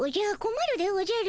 まるでおじゃる。